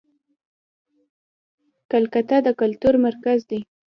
کلکته د کلتور مرکز دی.